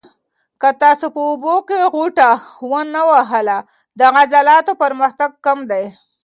که تاسو په اوبو کې غوټه ونه وهل، د عضلاتو پرمختګ کم دی.